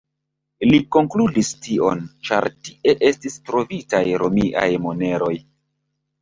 Li konkludis tion, ĉar tie estis trovitaj romiaj moneroj.